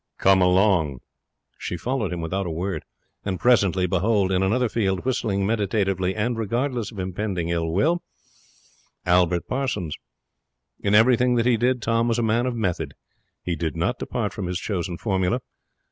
'Come along!' She followed him without a word. And presently, behold, in another field, whistling meditatively and regardless of impending ill, Albert Parsons. In everything that he did Tom was a man of method. He did not depart from his chosen formula.